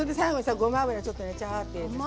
ごま油ちょっとねチャーッと入れてさ。